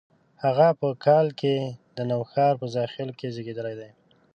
هغه په کال کې د نوښار په زاخیلو کې زیږېدلي دي.